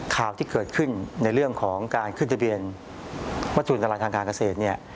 ข่าวที่เกิดขึ้นในเรื่องของการขึ้นทะเบียนวัตถุอันตรายทางการเกษตรเนี่ย